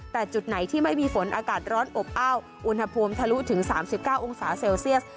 แต่จุดไหนที่ไม่มีฝนอากาศร้อนอบอ้าวอุณหภูมิทะลุถึง๓๙องศาเซลเซียส